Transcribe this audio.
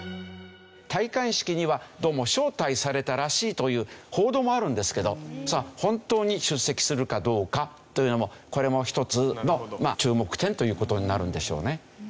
という報道もあるんですけど本当に出席するかどうかというのもこれも一つの注目点という事になるんでしょうね。